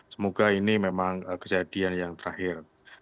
semoga ini memang kejadian yang terakhir